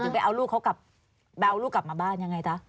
จึงไปเอาลูกเขากลับมาบ้านยังไง